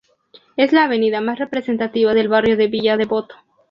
Es la avenida más representativa del barrio de Villa Devoto.